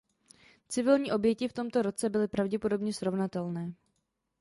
Civilní oběti v tomto roce byly pravděpodobně srovnatelné.